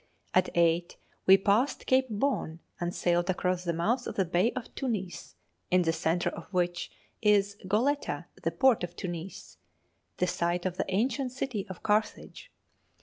At eight we passed Cape Bon and sailed across the mouth of the Bay of Tunis, in the centre of which is Goletta, the port of Tunis, the site of the ancient city of Carthage.